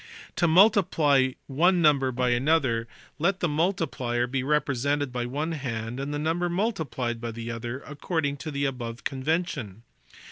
To multiply one number by another let the multiplier be represented by one hand, and the number multiplied by the other, according to the above convention.